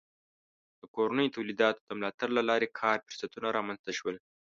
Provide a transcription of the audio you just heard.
د کورنیو تولیداتو د ملاتړ له لارې کار فرصتونه رامنځته شول.